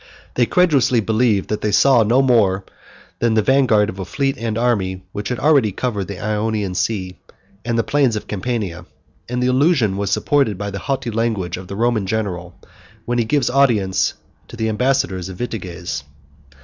They credulously believed that they saw no more than the vanguard of a fleet and army, which already covered the Ionian Sea and the plains of Campania; and the illusion was supported by the haughty language of the Roman general, when he gave audience to the ambassadors of Vitiges.